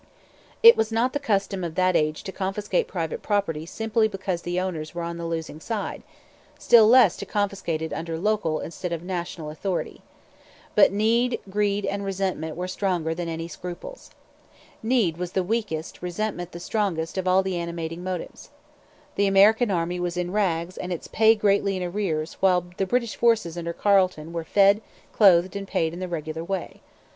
It was not the custom of that age to confiscate private property simply because the owners were on the losing side, still less to confiscate it under local instead of national authority. But need, greed, and resentment were stronger than any scruples. Need was the weakest, resentment the strongest of all the animating motives. The American army was in rags and its pay greatly in arrears while the British forces under Carleton were fed, clothed, and paid in the regular way.